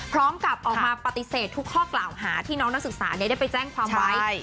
พร้อมกับออกมาปฏิเสธทุกข้อกล่าวหาที่น้องนักศึกษาได้ไปแจ้งความไว้